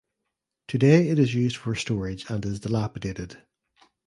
Today it is used for storage and is dilapidated.